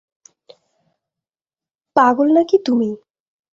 পাগল নাকি তুমি?